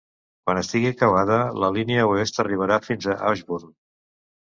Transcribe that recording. Quan estigi acabada, la línia oest arribarà fins a Ashburn.